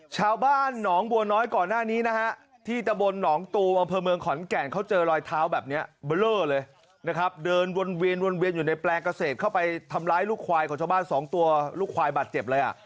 ชาวบ้านหนองบัวน้อยก่อนหน้านี้นะฮะที่ตะบนหนองตูมอำเภอเมืองขอนแก่นเขาเจอรอยเท้าแบบนี้เบลอเลยนะครับเดินวนเวียนวนเวียนอยู่ในแปลงเกษตรเข้าไปทำร้ายลูกควายของชาวบ้านสองตัวลูกควายบาดเจ็บเลยอ่ะ